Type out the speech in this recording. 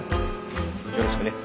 よろしくね。